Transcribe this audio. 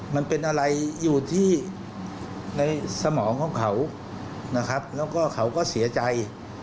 มันเป็นอะไรอยู่ที่ในสมองของเขานะครับแล้วก็เขาก็เสียใจ